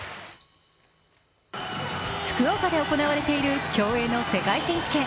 福岡で行われている競泳の世界選手権。